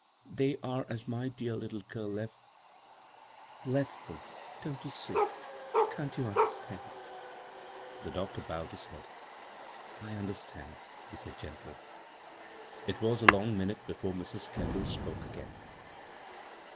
They are as my dear little g^l left them. Don't you see ? Can't you understand ?" The doctor bowed his head. " I understand," he said gendy. It was a long minute before Mrs. Kendall spoke again.